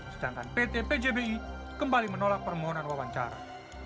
sedangkan pt pjbi kembali menolak permohonan wawancara